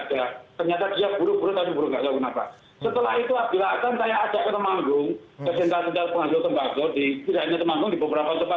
ternyata dia buru buru tapi buru nggak tahu kenapa